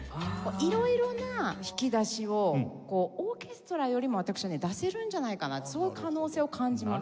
色々な引き出しをオーケストラよりも私はね出せるんじゃないかなってそういう可能性を感じます。